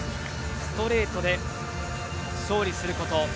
ストレートで勝利すること。